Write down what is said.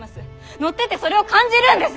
乗っててそれを感じるんです！